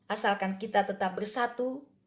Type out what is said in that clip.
asalkan kita tetap bersatu